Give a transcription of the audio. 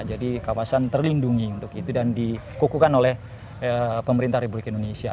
jadi kawasan terlindungi untuk itu dan dikukukan oleh pemerintah republik indonesia